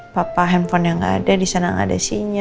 papa handphone yang gak ada disana gak ada sinyal